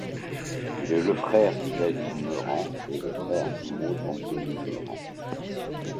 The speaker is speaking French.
Il est le frère de David Meurant et le frère jumeau d'Anthony Meurant.